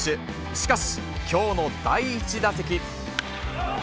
しかし、きょうの第１打席。